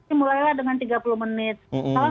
ini mulailah dengan tiga puluh menit kalau